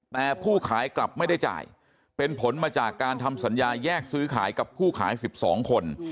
แต่ผู้ขายกลับไม่ได้จ่ายเป็นผลมาจากการทำสัญญาแยกซื้อขายกับผู้ขาย๑๒คน